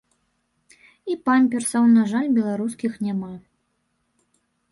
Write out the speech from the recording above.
І памперсаў, на жаль, беларускіх няма.